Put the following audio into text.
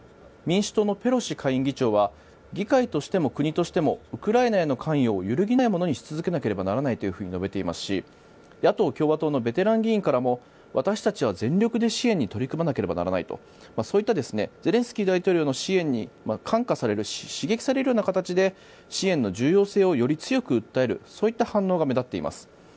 民主党のペロシ下院議長は議会としても国としてもウクライナへの関与を揺るぎないものにし続けなければならないと述べていますし、野党・共和党のベテラン議員からも私たちは全力で支援に取り組まなければならないとそういったゼレンスキー大統領の支援に感化される刺激されるような形で支援の重要性をより強く訴えるそういった反応が目立っています。